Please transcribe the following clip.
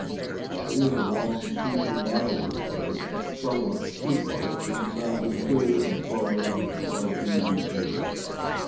It is a long, sweetly modulated note, somewhat flute like, and sounding clear and far in the quiet evening air.